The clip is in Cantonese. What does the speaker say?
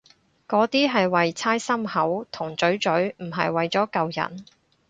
嗰啲係為搓心口同嘴嘴，唔係為咗救人